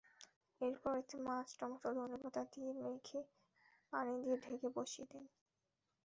এরপর এতে মাছ, টমেটো, ধনেপাতা দিয়ে মেখে পানি দিয়ে ঢেকে বসিয়ে দিন।